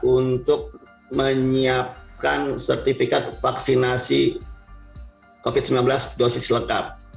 untuk menyiapkan sertifikat vaksinasi covid sembilan belas dosis lengkap